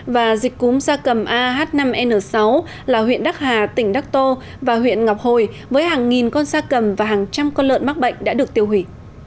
và dịch cúm da cầm ah năm n sáu là huyện đắc hà tỉnh đắc tô và huyện ngọc hồi với hàng nghìn con da cầm và hàng trăm con lợn mắc bệnh đã được tiêu hủy